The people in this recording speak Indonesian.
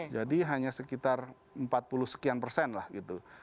jadi hanya sekitar empat puluh sekian persen lah gitu